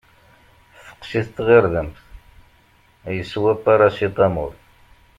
Teqqes-it tɣirdemt, yeswa paracetamol!